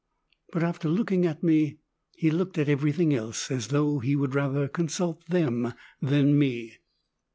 But after looking at me, he looked at everything else, as though he would rather consult them than me.